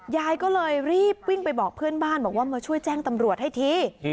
ยายก็เลยรีบวิ่งไปบอกเพื่อนบ้านบอกว่ามาช่วยแจ้งตำรวจให้ที